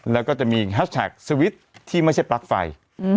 แล้วก็จะมีแฮชแท็กสวิตช์ที่ไม่ใช่ปลั๊กไฟ